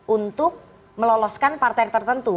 untuk meloloskan partai tertentu